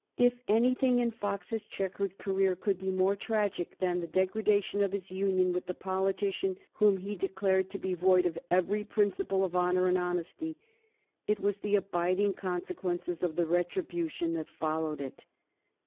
If anything in Fox's checkered career could be more tragic than the degradation of his union with the politician whom he declared to be void of every principle of honor and honesty, it was the abiding consequences of the retribution that followed it.